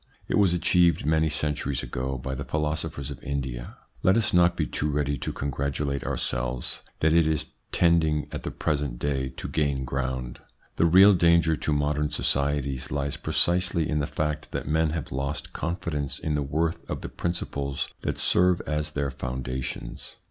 It was achieved many centuries ago by the philosophers of India. Let us not be too ready to congratulate ourselves that it is tending at the present day to gain ground. The real danger to modern societies lies precisely in the fact that men have lost confidence in the worth of the principles that serve as their foundations.